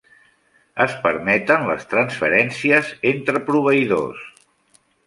Es permeten les transferències entre proveïdors.